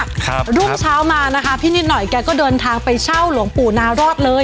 ครับรุ่งเช้ามานะคะพี่นิดหน่อยแกก็เดินทางไปเช่าหลวงปู่นารอดเลย